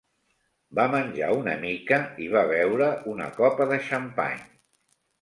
Va menjar una mica i va beure una copa de xampany.